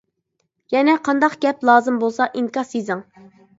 يەنە قانداق گەپ لازىم بولسا ئىنكاس يېزىڭ.